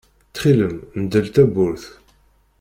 Ttxil-m, mdel tawwurt!